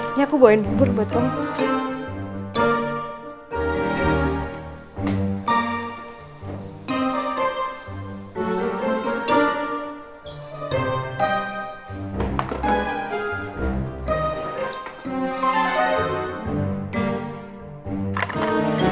ini aku bawain bubur buat kamu